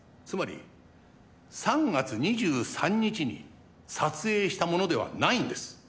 つまり３月２３日に撮影したものではないんです。